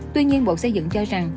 tuy nhiên bộ xây dựng cho rằng